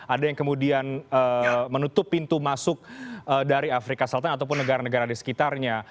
ada yang kemudian menutup pintu masuk dari afrika selatan ataupun negara negara di sekitarnya